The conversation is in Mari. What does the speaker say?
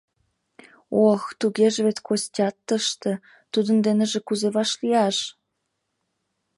Ох, тугеже вет Костят тыште, тудын деныже кузе вашлияш?